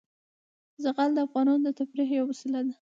زغال د افغانانو د تفریح یوه وسیله ده.